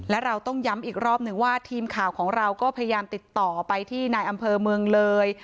และเราต้องย้ำอีกรอบหนึ่งว่าทีมข่าวของเราก็พยายามติดต่อไปที่นายอำเภอเมืองเลย